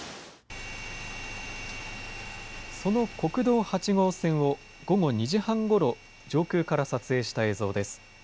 その国道８号線を、午後２時半ごろ、上空から撮影した映像です。